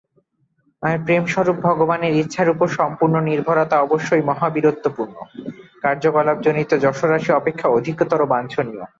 আর প্রেমস্বরূপ ভগবানের ইচ্ছার উপর সম্পূর্ণ নির্ভরতা অবশ্যই মহাবীরত্বপূর্ণ কার্যকলাপজনিত যশোরাশি অপেক্ষা অধিকতর বাঞ্ছনীয়।